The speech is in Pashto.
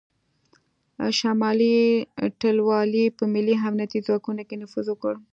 شمالي ټلوالې په ملي امنیتي ځواکونو کې نفوذ وکړ